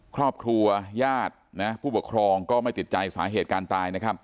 ครอบครัวญาติผู้ปกครองก็ไม่ติดใจสาเหตุการตายนะครับ